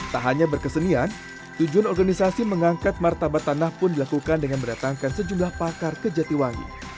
tak hanya berkesenian tujuan organisasi mengangkat martabat tanah pun dilakukan dengan mendatangkan sejumlah pakar ke jatiwangi